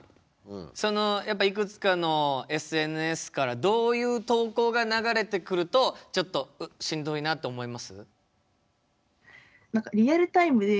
そのやっぱいくつかのＳＮＳからどういう投稿が流れてくるとちょっと「うっしんどいな」と思います？